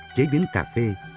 chế biến cà phê